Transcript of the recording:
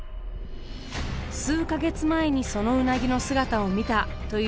数か月前にそのウナギの姿を見たというトーマスさん。